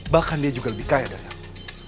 bahkan dia juga lebih kaya dari aku